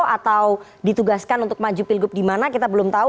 atau ditugaskan untuk maju pilgub di mana kita belum tahu